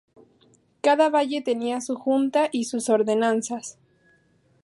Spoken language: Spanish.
Cada valle tenía su junta y sus ordenanzas.